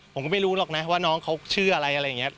ผมก็ไม่รู้หรอกนะว่าน้องเขาชื่ออะไรอะไรอย่างนี้